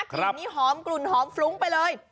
กลิ่นนี้หอมกลุ่นหอมฟล้งไปเลย